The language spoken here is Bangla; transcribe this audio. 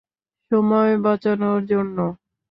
সময় বাঁচানোর জন্য?